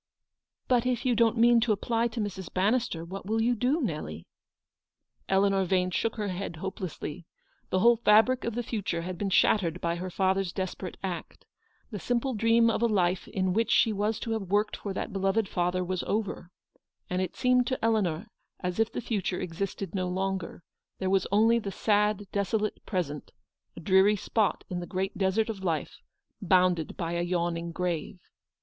"But if you don't mean to apply to Mrs. Ban nister, what will you do, Nelly ?" Eleanor Yane shook her head hopelessly. The whole fabric of the future had been shattered by her father's desperate act. The simple dream of a life in which she was to have worked for that beloved father was over, and it seemed to Eleanor as if the future existed no longer : there was only the sad, desolate present, — a dreary spot in the great desert of life, bounded by a yawning grave.